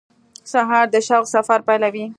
سهار د شوق سفر پیلوي.